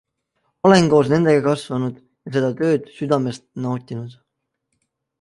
Olen koos nendega kasvanud ja seda tööd südamest nautinud.